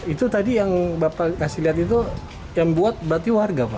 itu tadi yang bapak kasih lihat itu yang buat berarti warga pak